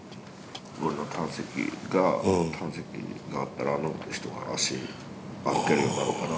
俺の胆石が胆石があったらあの人が足歩けるようになるから。